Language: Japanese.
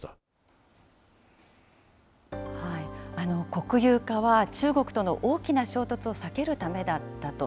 国有化は中国との大きな衝突を避けるためだったと。